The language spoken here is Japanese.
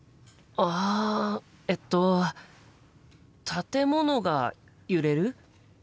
あえっと建物が揺れる？